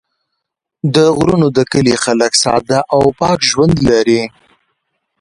د غرونو د کلي خلک ساده او پاک ژوند لري.